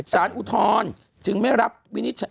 อุทธรณ์จึงไม่รับวินิจฉัย